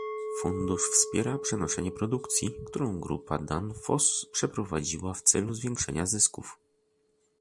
Fundusz wspiera przenoszenie produkcji, którą Grupa Danfoss przeprowadziła w celu zwiększenia zysków